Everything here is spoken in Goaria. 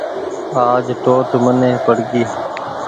آج ٽوٽ مني پڙ گئي